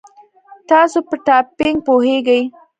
تاسو په ټایپینګ پوهیږئ؟